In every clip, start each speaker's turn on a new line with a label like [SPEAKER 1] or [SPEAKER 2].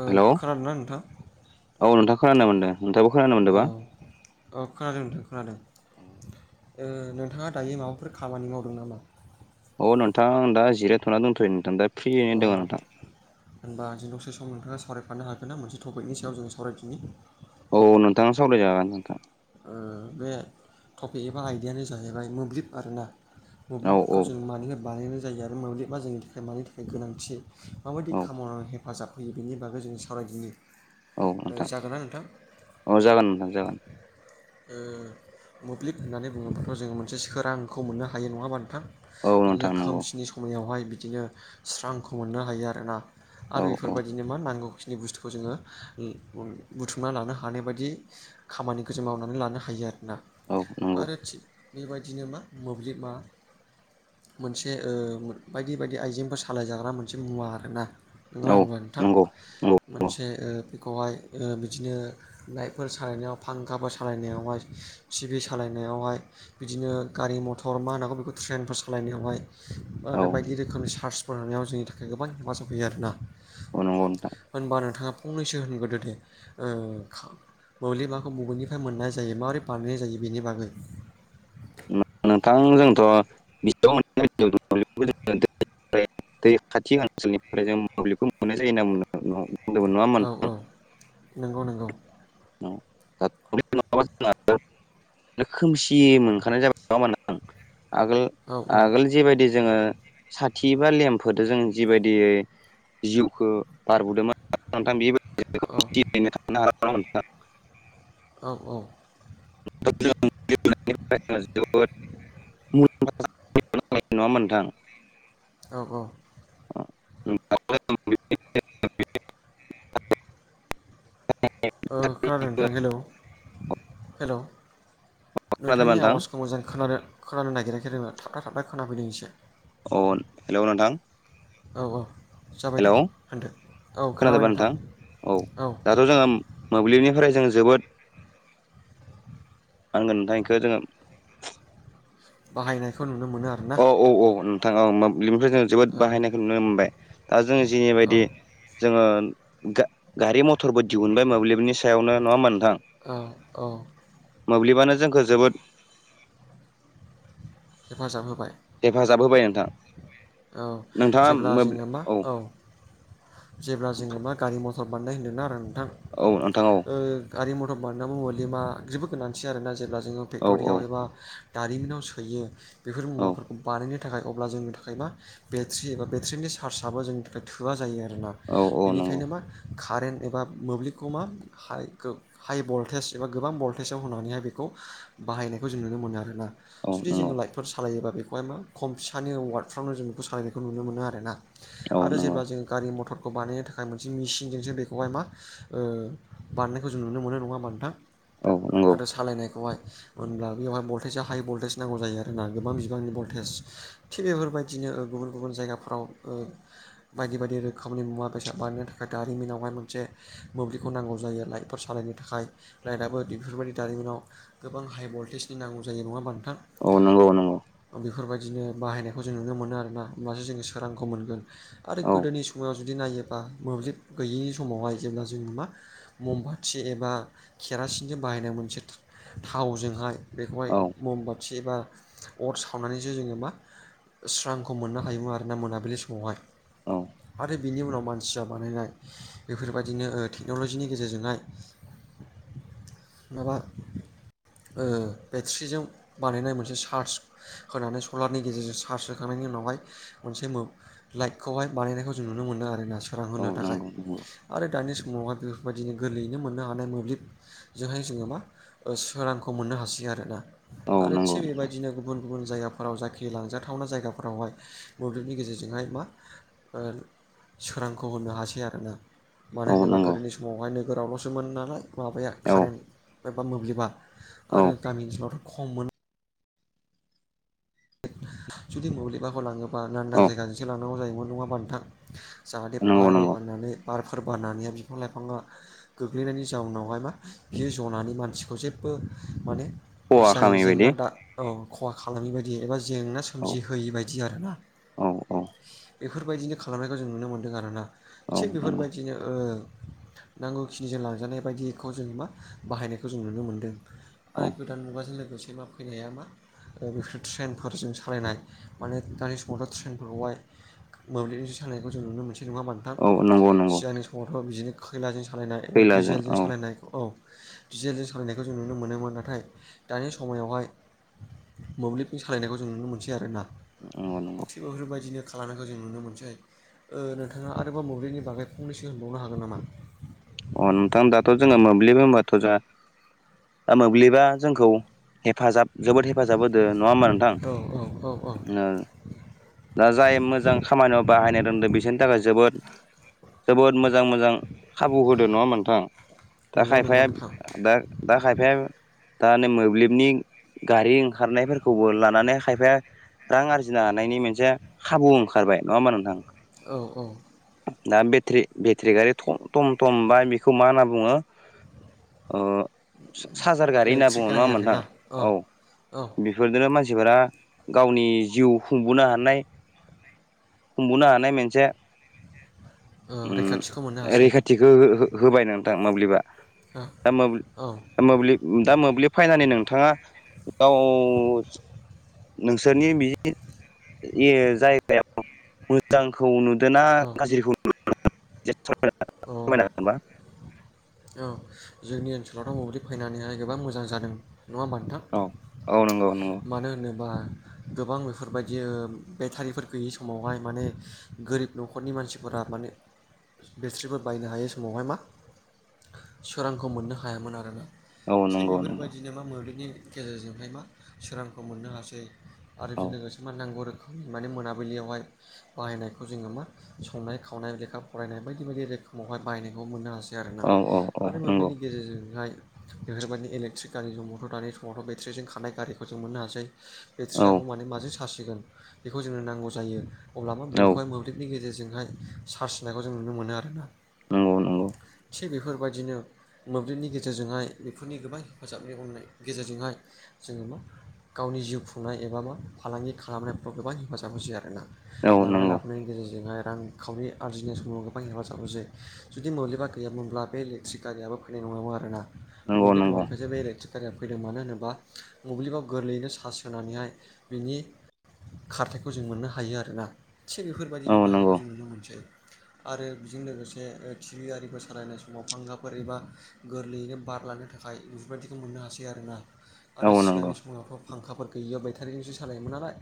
[SPEAKER 1] ओ
[SPEAKER 2] हेलौ
[SPEAKER 1] खोनादों ना नोंथां?
[SPEAKER 2] औ नोंथाङा खोनानो मोन्दों नोंथाङाबो खोनानो
[SPEAKER 1] औ
[SPEAKER 2] मोन्दों बा
[SPEAKER 1] औ खोनादों नोंथां खोनादों। नोंथाङा दायो माबाफोर खामानि मावदों नामा?
[SPEAKER 2] अ नोंथां दा जिरायथ'ना दोंथ'यो नोंथां दा फ्रियैनो
[SPEAKER 1] अ
[SPEAKER 2] दङ नोंथां
[SPEAKER 1] होनबा दि दसे सम नोंथाङा सावरायफानो हागोन ना मोनसे टपिक सायाव जों सावरायफिननि?
[SPEAKER 2] औ नोंथाङा सावरायजागोन नोंथां।
[SPEAKER 1] बे टपिक एबा आयदायानो जाहैबाय मोब्लिब आरोना।
[SPEAKER 2] औ औ
[SPEAKER 1] मोब्लिबखौ जों मानिफाय बानायनाय जायो आरो मोब्लिबा जोंनि थाखाय मानि थाखाय गोनांथि। माबायदि
[SPEAKER 2] औ
[SPEAKER 1] खामानाव हेफाजाब होयो बेनि बागै जों सावरायदिनि
[SPEAKER 2] औ नोंथां
[SPEAKER 1] जागोनना नोंथां?
[SPEAKER 2] औ जागोन नोंथां जागोन।
[SPEAKER 1] मोब्लिब होननानै बुङोब्लाथ' जोङो मोनसे सोरांखौ मोननो हायो नङा होमबा नोंथां?
[SPEAKER 2] औ
[SPEAKER 1] बिदिनो
[SPEAKER 2] नोंथां नंगौ
[SPEAKER 1] खोमसिनि समायावहाय बिदिनो स्रांखौ मोननो हायो आरोना।
[SPEAKER 2] औ
[SPEAKER 1] आरो
[SPEAKER 2] औ
[SPEAKER 1] एफोरबायदिनो नांगौ खिनि बुसथुखौ जोङो बुथुमना लानो हानाय बायदि खामानिखौ जों मावनानै लानो हायो आरोना
[SPEAKER 2] औ नंगौ
[SPEAKER 1] आरो थिक बेबायदिनो मा मोब्लिब मा मोनसे बायदि बायदि आइजेंफोर सालायजाग्रा मोनसे मुवा आरोना। नङा
[SPEAKER 2] औ
[SPEAKER 1] होनबा नोंथां?
[SPEAKER 2] नंगौ नंगौ
[SPEAKER 1] मोनसे बेखौहाय बिदिनो लाइफोर सालायनायाव फां गाबा सालायनायावहाय टि भि सालायनायावहाय बिदिनो गारि मथर मा होनांगौ बेखौ ट्रेनफोर सालायनायावहाय। आरो
[SPEAKER 2] औ
[SPEAKER 1] बायदि रोखोमनि चार्सफोर होनायाव जोंनि थाखाय गोबां हेफाजाब होयो आरोना।
[SPEAKER 2] अ नंगौ नोंथां।
[SPEAKER 1] होनबा नोंथाङा फंनैसो होनगोदो दे ओ मोब्लिबा खौ बबेनिफ्राय मोननाय जायो माबोरै बानायनाय जायो बेनि बागै।
[SPEAKER 2] नोंथां जोंथ' [unintelligible] दै खाथि ओनसोलनिफ्राय जों मोब्लिबखौ मोननाय जायो [unintelligible] बुंदोमोन नङा
[SPEAKER 1] औ
[SPEAKER 2] होनबा
[SPEAKER 1] औ नंगौ नंगौ
[SPEAKER 2] [unintelligible] औ [unintelligible] खोमसियोमोन [unintelligible] आगोल
[SPEAKER 1] औ औ
[SPEAKER 2] आगोल जिबायदि जोङो साथि बा लेमफोरदो जों जिबायदि जिउखो बारबोदोंमोन
[SPEAKER 1] औ
[SPEAKER 2] नोंथां [unintelligible]
[SPEAKER 1] औ औ
[SPEAKER 2] जोबोद [unintelligible] नङा होनबा नोंथां?
[SPEAKER 1] औ औ
[SPEAKER 2] [unintelligible] [unintelligible]
[SPEAKER 1] खोनादों नोंथां हेलौ हेलौ
[SPEAKER 2] खोनादोंबा
[SPEAKER 1] नोंथांनि
[SPEAKER 2] नोंथां
[SPEAKER 1] आवाज समाव जों खोनान-खोनानो नागिराखै आरो थाबथा थाबना खोनादों एसे
[SPEAKER 2] अ हेलौ नोंथां।
[SPEAKER 1] औ औ जाबाय
[SPEAKER 2] हेलौ
[SPEAKER 1] दे होनदो औ खोनाबाय नोंथां औ।
[SPEAKER 2] दाथ' जोङो मोब्लिबनिफ्राय जों जोबोद मा होनगोन नोंथां इखो जोङो
[SPEAKER 1] बाहायनायखौ नुनो मोनो आरो ना।
[SPEAKER 2] औ औ नोंथां औ मोब्लिबनिफ्राय जों जोबोद
[SPEAKER 1] औ
[SPEAKER 2] बाहायनायखौ नुनो मोनबाय दा जों जिनि
[SPEAKER 1] औ
[SPEAKER 2] बायदि जोङो गा गारि मथरबो दिहुनबाय मोब्लिबनि सायावनो नङा होनबा नोंथां?
[SPEAKER 1] औ औ
[SPEAKER 2] मोब्लिबानो जोंखो जोबोद
[SPEAKER 1] हेफाजाब होबाय।
[SPEAKER 2] हेफाजाब होबाय नोंथां।
[SPEAKER 1] औ
[SPEAKER 2] नोंथाङा
[SPEAKER 1] जेब्ला
[SPEAKER 2] मोब्लिब
[SPEAKER 1] जोङो मा औ जेब्ला जोङो मा गारि मथर बानायनाय होनदोंना आरो नोंथां।
[SPEAKER 2] औ नोंथां औ।
[SPEAKER 1] गारि मथर [unintelligible] जोबोद गोनांथि आरोना जेब्ला जोङो
[SPEAKER 2] औ औ
[SPEAKER 1] फेक्ट'रियाव एबा दारिमिनाव सोयो बेफोर
[SPEAKER 2] औ
[SPEAKER 1] मुवाफोरखौ बानायनो थाखाय अब्ला जोंनि थाखायबा बेट्रि एबा बेट्रिनि चार्जआबो जोंनिफ्राय थोआ जायो आरोना
[SPEAKER 2] औ औ नंगौ
[SPEAKER 1] बेनिखायनो मा कारेन्ट एबा मोब्लिबखौ मा हाइ भल्टेज एबा गोबां भल्टेजाव होनानैहाय बेखौ बाहायनायखौ जों नुनो मोनो आरोना।
[SPEAKER 2] औ
[SPEAKER 1] जुदि
[SPEAKER 2] नंगौ
[SPEAKER 1] जोङो लाइटफोर सालायोबा बेखौहाय मा खम फिसानि वार्डफ्रावनो जों बेखौ सालायनायखौ नुनो मोनो आरोना।
[SPEAKER 2] औ
[SPEAKER 1] आरो
[SPEAKER 2] नंगौ
[SPEAKER 1] जेब्ला जों गारि मथरखौ बानायनो थाखाय मोनसे मेचिनजोंसो बेखौहाय मा ओ बानायनायखौ जों नुनो मोनो नङा होमबा नोंथां?
[SPEAKER 2] औ नंगौ
[SPEAKER 1] आरो सालायनायखौहाय होनब्ला बेवहाय भल्टेजआ हाइ भल्टेज नांगौ जायो आरोना गोबां बिबांनि भल्टेज थिग बेफोरबायदिनो गुबुन गुबुन जायगाफ्राव बायदि बायदि रोखोमनि मुवा बेसाद बानायनो थाखाय दारिमिनावहाय मोनसे मोब्लिबखौ नांगौ जायो लाइटफोर सालायनो थाखाय लाइटआबो बेफोरबायदि दारिमिनाव गोबां हाइ भल्टेजनि नांगौ जायो नङा होमबा नोंथां?
[SPEAKER 2] औ नंगौ नंगौ।
[SPEAKER 1] बेफोरबायदिनो बाहायनायखौ जों नुनो मोनो आरोना होमबासो जोङो सोरांखौ मोनगोन। आरो
[SPEAKER 2] औ
[SPEAKER 1] गोदोनि समाव जुदि नायोब्ला मोब्लिब गैयिनि समावहाय जेब्ला जों मा ममबाथि एबा केरासिनजों बाहायनाय मोनसे थावजोंहाय बेखौहाय
[SPEAKER 2] औ
[SPEAKER 1] मम बाथि एबा अर सावनानैसो जोङो मा स्रां खौ मोननो होयोमोन आरोना मोनाबिलि
[SPEAKER 2] औ
[SPEAKER 1] समावहाय। बेनि उनाव मानसिया बानायनाय बेफोरबायाददिनो टेक्न'लजिनि गेजेरजोंहाय माबा बेट्रिजों बानायनाय मोनसे चार्ज होनानै सलारनि गेजेरजों चार्ज होखांनायनि उनाव बेवहाइ मोनसे लाइखौ बानायखौ जों नुनो मोनो आरोना सोरां
[SPEAKER 2] औ
[SPEAKER 1] होनो थाखाय।
[SPEAKER 2] नंगौ नंगौ
[SPEAKER 1] आरो दानि समावहाय बेफोरबायदिनो गोरलैयैनो मोननो हानाय मोब्लिब जोंहाय जोङो मा सोरांखौ मोननो हासै आरोना।
[SPEAKER 2] औ
[SPEAKER 1] आरो
[SPEAKER 2] नंगौ
[SPEAKER 1] थिग बेबायदिनो गुबुन गुबुन जायगाफोराव जाखि लांजाथावना जायगाफोरावहाय मोब्लिबनि गेजेरजोंहाय मा सोरांखौ होनो हासै आरोना। मानो
[SPEAKER 2] औ
[SPEAKER 1] होनोबा
[SPEAKER 2] नंगौ
[SPEAKER 1] गोदोनि समावहाय नोगोरावल'सो मोन नालाय माबाया
[SPEAKER 2] औ
[SPEAKER 1] कारेन्ट एबा मोब्लिबा
[SPEAKER 2] औ
[SPEAKER 1] आरो गामि ओनसोलावथ' खम मोन। जुदि मोब्लिबाखौ लाङोबा लांदां
[SPEAKER 2] औ
[SPEAKER 1] जायगाजोंसो लांनांगौ जायोमोन नङा होनबा नोंथां? जाहाथे
[SPEAKER 2] नंगौ
[SPEAKER 1] बारफोर
[SPEAKER 2] नंगौ
[SPEAKER 1] बाननानै बारफोर बनानै बिफां लाइफाङा गोग्लैनायनि जाउनावहाय मा बि जनानै मानसिखौ जेबबो माने
[SPEAKER 2] खहा
[SPEAKER 1] जाय
[SPEAKER 2] खालामै बायदि
[SPEAKER 1] जेंना दा औ खहा खालामै बायदि एबा जेंना
[SPEAKER 2] औ
[SPEAKER 1] सोमजिहोयि बायदि आरोना
[SPEAKER 2] औ औ
[SPEAKER 1] बेफोरबायदिनो खालामनायखौ जों नुनो मोन्दों आरो ना।
[SPEAKER 2] औ
[SPEAKER 1] थिग बेफोर
[SPEAKER 2] नंगौ
[SPEAKER 1] बायदि ओ नांगौखिनिजों लांजानाय बायदिखौ जों मा बाहायनायखौ जों नुनो मोनदों।
[SPEAKER 2] औ
[SPEAKER 1] आरो गोदान मुगाजों लोगोसे मा फैनाया मा बेफोर ट्रेनफोर जों सा सालायनाय माने दानि समावथ' ट्रेनफोरखौहाय मोब्लिजों सालनायखौ जों नुनो मोनसै नङा नोंथां?
[SPEAKER 2] औ नंगौ नंगौ
[SPEAKER 1] सिगांनि समावथ' बिदिनो खैलाजों सालायनाय एबा
[SPEAKER 2] खैलाजों
[SPEAKER 1] डिजेलजों
[SPEAKER 2] औ
[SPEAKER 1] सालायनाय औ दिजेलजों सालायनायखौ जों नुनो मोनोमोन नाथाय दानि समायावहाय मोब्लिबनि सालायनायखौ जों नुनो मोनसै आरोना।
[SPEAKER 2] नंगौ नंगौ।
[SPEAKER 1] थिग [unintelligible] बेफोरबायदिनो खालामनायखौ जों नुनो मोनसै। ओ नोंथाङा आरोबाव मोब्लिबनि बागै फंनैसो होनबावनो हागोन नामा?
[SPEAKER 2] अ नोंथां दाथ' जोङो मोब्लिब होनबाथ' जोंहा दा मोब्लिबा जोंखौ हेफाजाब जोबोद हेफाजाब होदो नङा होमबा नोंथां?
[SPEAKER 1] औ औ औ औ
[SPEAKER 2] ओ। दा जाय मोजां खामानियाव बाहायनो रोनदों बिसोरनि थाखाय जोबोद जोबोद मोजां मोजां खाबु होदो नङा होमबा नोंथां? दा
[SPEAKER 1] नंगौ नंगौ
[SPEAKER 2] खायफाया
[SPEAKER 1] नोंथां
[SPEAKER 2] दा दा खायफाया दा नै मोब्लिबनि गारि ओंखारनायफोरखौबो लानानै खायफाया रां आरजिनो हानायनि मोनसे खाबु ओंखारबाय नङा होमबा नोंथां?
[SPEAKER 1] औ औ।
[SPEAKER 2] दा बेट्रि बेट्रि गारि थटम थम बा बेखौ मा होनना बुङो अ सारजार गारि होनना
[SPEAKER 1] इलेक्ट्रिक
[SPEAKER 2] बुङो
[SPEAKER 1] गारि
[SPEAKER 2] नङा होनबा नोंथां?
[SPEAKER 1] आरोना
[SPEAKER 2] औ।
[SPEAKER 1] औ
[SPEAKER 2] बेफोरजोंनो मानसिफोरा गावनि जिउ खुंबोनो हानाय खुंबोनो हानाय मोनसे
[SPEAKER 1] औ
[SPEAKER 2] [inaudible] उम
[SPEAKER 1] रैखाथिखौ मोननो हासै
[SPEAKER 2] रैखाथिखौ हो हो होबाय नोंथां मोब्लिबा।
[SPEAKER 1] औ
[SPEAKER 2] दा मोब्लि
[SPEAKER 1] औ
[SPEAKER 2] दा मोब्लि दा मोब्लिब फायनानै नोंथाङा गाव [inaudible] नोंसोरनि बि [inaudible] ए जायगायाव मोजांखौ नुदोना
[SPEAKER 1] औ
[SPEAKER 2] गाज्रिखौ नुदों [inaudible] खमायनो हागोनबा [inaudible]
[SPEAKER 1] औ जोंनि ओनसोलावथ' बोब्लिब फैनानैहाय गोबां मोजां जादों। नङा होमबा नोंथां?
[SPEAKER 2] औ औ नंगौ। नंगौ
[SPEAKER 1] मानो होनोबा गोबां बेफोर बायदि ओ बेटारिफोर गैयि समावहाय माने गोरिब न'खरनि मानसिफोरा माने बेट्रिफोर बायनो हायै समावहाय मा सोरांखौ मोननो हायामोन आरोना।
[SPEAKER 2] औ
[SPEAKER 1] थिग
[SPEAKER 2] नंगौ नंगौ
[SPEAKER 1] बेफोरबायदिनो मा मोब्लिबनि गेजेरजोंहाय मा सोरांखौ मोननो हासै। आरो
[SPEAKER 2] औ
[SPEAKER 1] बिदि लोगोसे माने नांगौ रोखोम माने मोनाबिलियावहाय बाहायनायखौ जोङो मा संनाय खावनाय लेखा फरायनाय बायदि बायदि रोखोमावहाय बाहायनायखौ मोननो हासै दि आरोना
[SPEAKER 2] औ औ औ
[SPEAKER 1] आरो
[SPEAKER 2] नंगौ
[SPEAKER 1] मोब्लिनि गेजेरजोंहाय बेफोरबायदि इलेक्ट्रिक गारि दंबथ' दानि समावथ' बेट्रिजों खानाय गारिखौ जों मोननो हासै।
[SPEAKER 2] औ औ
[SPEAKER 1] बेट्रियाखौ माने माजों सास होगोन बेखौ जोंनो नांगौ जायो अब्ला मा बेखौहाय मो ब्लिबनि गेजेरजोंहाय सार्ज होननायखौ जों नुनो मोनो आरोना।
[SPEAKER 2] नंगौ नंगौ
[SPEAKER 1] थिग बेफोरबायदिनो मोब्लिबनि गेजेरजोंहाय बेफोरनि गोबां हेफाजाबनि हनाय गेजेरजोंहाय जोङो मा गावनि जिउ खुंनाय एबा मा फालांगि खालामनायफ्राव गोबां हेफाजाब होसै आरोना।
[SPEAKER 2] औ नंगौ
[SPEAKER 1] लांलाय
[SPEAKER 2] नंगौ
[SPEAKER 1] लाबोनायनि गेजेरजोंहाय रां खाउरि आर्जिनाय समाव गोबां हेफाजाब होसै जुदि मोब्लिबा गैयामोनब्ला बे इलेक्ट्रिक गारियाबो फैनाय नंआमोन आरोना मोब्लिब
[SPEAKER 2] नंगौ
[SPEAKER 1] दंनायखासो बे इलेक्टिक गारिआ फैदों मानो होनोबा मोब्लिबाव गोरलैयैनो चास होनानैहाय बिनि खारथायखौ जों मोननो हायो आरोना। थिग बेफोर
[SPEAKER 2] औ
[SPEAKER 1] बायदिनो
[SPEAKER 2] नंगौ
[SPEAKER 1] बाहायनायखौ जों नुनो मोनसै। आरो बिजों लोगोसे ओ टि भि आरिबो सालायनाय समाव फांखाफोर एबा गोरलैयैनो बारलानो थाखाय बेफोरबायदिखौ मोननो हासै आरोना।
[SPEAKER 2] औ
[SPEAKER 1] आरो
[SPEAKER 2] नंगौ
[SPEAKER 1] सिगांनि समावथ' फांखाफोर गैयिया बायटारिजोंसो सालायोमोन नालाय।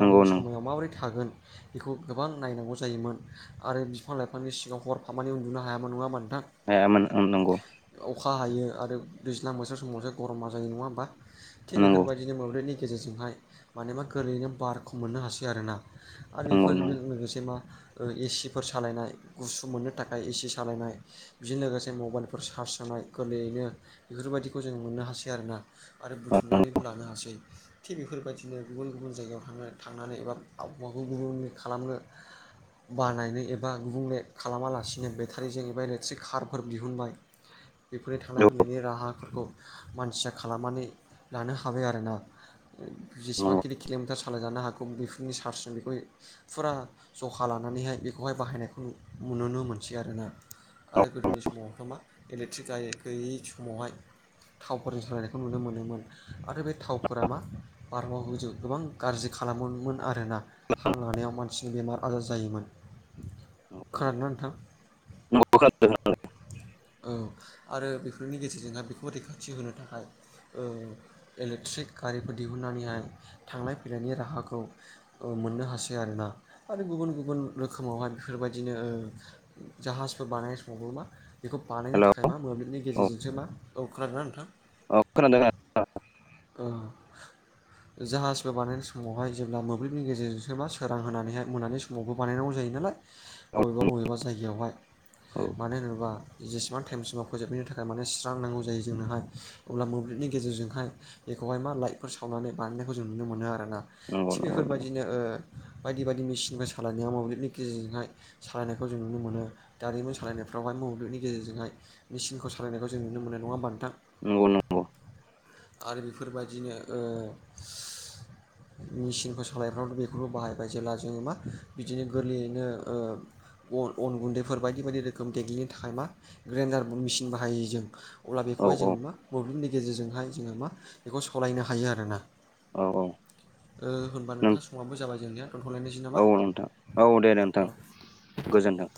[SPEAKER 2] नंगौ नंगौ
[SPEAKER 1] समायाव माबोरै थागोन बेखौ गोबां नायनांगौ जायोमोन आरो बिफां लाइफांनि सिंआव हरफामानि उन्दुनो हायामोन नङा होमबा नोथां।
[SPEAKER 2] हायामोन उम नंगौ।
[SPEAKER 1] अखा हायो आरो दैज्लां बोसोर समावसो गरमा जायो नङा होमबा? थिग बेफोर
[SPEAKER 2] नंगौ
[SPEAKER 1] बायदिनो मोब्लिबनि गेजेरजोंहाय मानेबा गोरलैयैनो बारखौ मोननो हासै आरोना। आरो
[SPEAKER 2] नंगौ
[SPEAKER 1] बेफोरजों लोगोसे मा ओ एसिफोर सालायनाय गुसु मोननो थाखाय एसि सालायनाय बिजों लोगोसे मबाइलफोर चार्ज होनाय गोरलैयैनो बेफोरबायदिखौ जों मोननो हासै आरोना आरो बुथुमनानैबो लानो हासै। थिग बेफोर बायदिनो गुबुन गुबुन जायगायाव थांना थांनानै एबा आबहावाखौ गुबुंले खालामनो बानायनो एबा गुबुंले खालामालासिनो बेटारिजों एबा इलेक्ट्रिक कारफोर दिहुनबाय बेफोरनि थांलाय फैलायनि राहाफोरखौ मानसिया खालामनानै लानो हाबाय आरोना जेसेबांखिनि किल'मिटार सालायजानो हागौ बेफोरनि चार्सजों बिखौ फुरा जखा लानानैहाय बेखौहाय बाहायनायखौ नुनो मोनसै आरोना। आरो गोदोनि समावथ' मा इलेकट्रिक गाय गैयै समावहाय थावफोरजों सोलायनायखौ नुनो मोनोमोन। आरो बे थावफोरा मा बार मन्डलखौ गोबां गाज्रि खालामोमोन आरोना। हां लानायाव मानसिनि बेमार आजार जायोमोन।
[SPEAKER 2] नंगौ
[SPEAKER 1] खोनादोंना नोंथां?
[SPEAKER 2] [unintelligible]
[SPEAKER 1] औ आरो बेफोरनि गेजेरजोंहाय बेखौ रैखाथि होनो थाखाय ओ इलेक्ट्रिक गारिफोर दिहुनन्नानैहाय थांलाय फैलायनि राहाखौ ओ मोननो हासै आरोना आरो गुबुन गुबुन रोखोमावहाय बेफोरबायदिनो ओ जाहाजफोर बानायनो समावबो मा बेखौ बानायनो
[SPEAKER 2] हेलौ
[SPEAKER 1] थाखाय मा मोब्लिबनि
[SPEAKER 2] औ
[SPEAKER 1] गेजेरजोंसो मा, औ खोनादोंना नोंथां?
[SPEAKER 2] औ खोनादों
[SPEAKER 1] ओ। जाहाजबो बानायनाय समावहाय जेब्ला मोब्लिबनि गेजेरजोंसोबा सोरां होनानैहाय मोनानि समावबो बानायनांगौ जायो नालाय
[SPEAKER 2] औ
[SPEAKER 1] बबेबा बबेबा जायगायावहाय मानो होनो बा जेसेबां टाइमसिमाव फोजोबनायनि थाखाय माने स्रांनांगौ जायो जोंनोहाय अब्ला मोब्लिबनि गेजेरजोंहाय बेखौहाय मा लाइटफोर सावनानै बानायनायखौ जों नुनो मोनो आरोना।
[SPEAKER 2] नंगौ
[SPEAKER 1] थिग
[SPEAKER 2] नंगौ नंगौ
[SPEAKER 1] बेफोरबायदिनो ओ बायदि बायदि मेसिनफोर सालायनाया मोब्लिबनि गेजेरजोंहाय सालायनायखौ जों नुनो मोनो दारिमि सालायनायफो बेवहाय मोब्लिबनि गेजेरजोंहाय मेसिनखौ सालायनायखौ जों नुनो मोनो नङा होमबा नोंथां?
[SPEAKER 2] नंगौ नंगौ।
[SPEAKER 1] आरो बेफोरबायदिनो ओ मेचिनखौ सालायफ्रावथ' बेखौबो बाहायबाय जेब्ला जोङो मा बिदिनो गोरलैयैनो ओ अन अन गुन्दैफोर बायदि बायदि रो गोम देग्लिनो थाखाय मा ग्रेन्डार मेसिन बाहायो जों अब्ला
[SPEAKER 2] औ
[SPEAKER 1] बेखौहाय
[SPEAKER 2] औ
[SPEAKER 1] जोङो मा मोब्लिबनि गेजेरजोंहाय जोङो मा बेखौ सलायनो हायो आर ना
[SPEAKER 2] औ औ।
[SPEAKER 1] ओ होनबा नोंथां समाबो जाबाय जोंनिया थ'लनाय लायनोसै
[SPEAKER 2] औ नोंथां औ दे दे नोंथां गोजोन्थों।